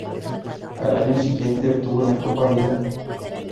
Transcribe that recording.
Al año siguiente obtuvo la Copa Vila.